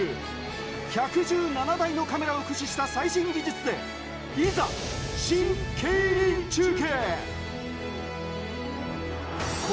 １１７台のカメラを駆使した最新技術で、いざ、シン・競輪中継。